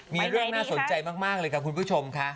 มีเรื่องน่าสนใจมากเลยค่ะคุณผู้ชมค่ะ